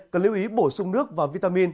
cần lưu ý bổ sung nước và vitamin